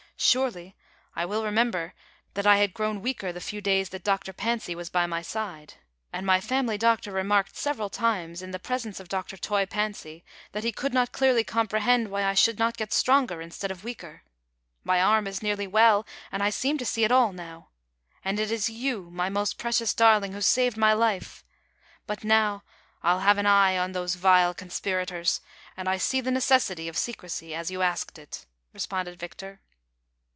Surely, I well remember THE CONSPIRATORS AXD LOVERS. 47 that I had grown weaker the few days that Dr. Fancy was by my side, and my family doctor remarked several times, in the presence of Dr. Toy Fancy, that he could not clearly comprehend why I should not get stronger instead of weaker. My arm is nearly well, and I seem to see it all now ; and it is you, my most precious darling, who saved my life ; but, now I'll have an eye on these vile conspira tors, and I see the necessity of secrecy, as you asked it," responded Victor.